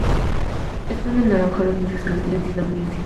Están en naranja los meses en que fue líder de audiencia.